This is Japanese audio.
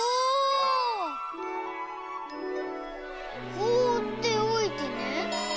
「ほうっておいてね」？